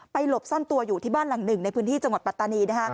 หลบซ่อนตัวอยู่ที่บ้านหลังหนึ่งในพื้นที่จังหวัดปัตตานี